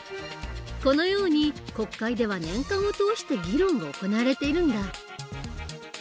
このように国会では年間を通して議論が行われているんだ。